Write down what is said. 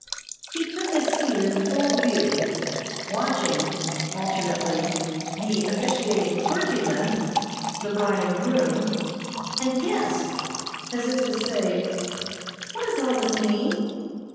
He took his seat in full view, watching, alternately, the officiating clergyman, the bride and groom, and guests, as if to say: "What does all this mean?"